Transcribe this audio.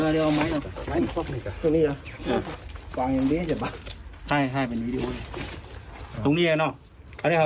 เรากำลังตัวแล้วเรากำลังกำลังมาอารอ่ะ